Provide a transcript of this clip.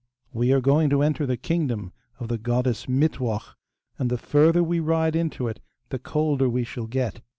'We are going to enter the kingdom of the goddess Mittwoch,(2) and the further we ride into it the colder we shall get.